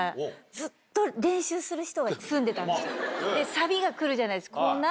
サビがくるじゃないですか。